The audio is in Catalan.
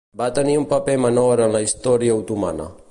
Va tenir un paper menor en la història otomana.